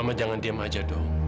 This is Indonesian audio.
mama jangan diam aja